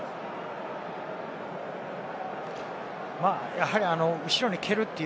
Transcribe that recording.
やはり後ろに行けるとい